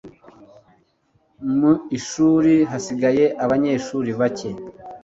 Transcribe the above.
mu ishuri hasigaye abanyeshuri bake